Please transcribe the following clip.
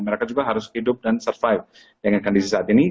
mereka juga harus hidup dan survive dengan kondisi saat ini